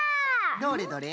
どれどれ？